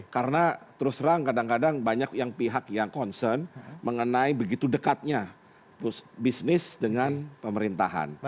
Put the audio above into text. karena terus terang kadang kadang banyak yang pihak yang concern mengenai begitu dekatnya bisnis dengan pemerintahan